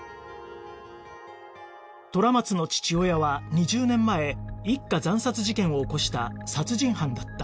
虎松の父親は２０年前一家惨殺事件を起こした殺人犯だった